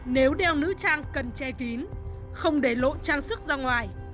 nếu đeo nữ trang cần che kín không để lộ trang sức ra ngoài